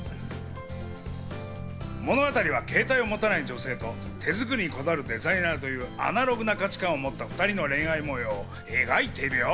物語は携帯を持たない女性と、手作りにこだわるデザイナーというアナログな価値観を持った２人の恋愛模様を描いているよ！